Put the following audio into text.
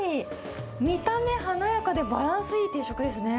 見た目華やかで、バランスいい定食ですね。